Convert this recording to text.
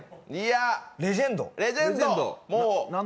レジェンド。